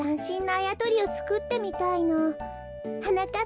あやとりをつくってみたいの。はなかっ